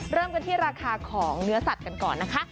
เริ่มกันที่ราคาของเนื้อสัตว์กันก่อนนะคะ